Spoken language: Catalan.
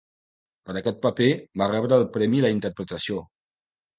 Per aquest paper, va rebre el Premi a la Interpretació.